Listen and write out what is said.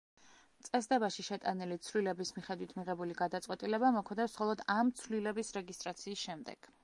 წესდებაში შეტანილი ცვლილების მიხედვით მიღებული გადაწყვეტილება მოქმედებს მხოლოდ ამ ცვლილების რეგისტრაციის შემდეგ.